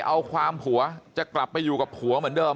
เอาความผัวจะกลับไปอยู่กับผัวเหมือนเดิม